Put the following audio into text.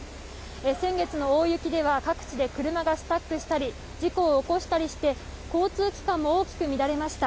先月の大雪では、各地で車がスタックしたり、事故を起こしたりして、交通機関も大きく乱れました。